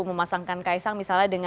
memasangkan kaesang misalnya dengan